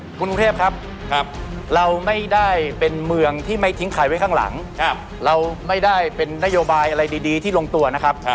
คุณกรุงเทพครับเราไม่ได้เป็นเมืองที่ไม่ทิ้งใครไว้ข้างหลังเราไม่ได้เป็นนโยบายอะไรดีที่ลงตัวนะครับ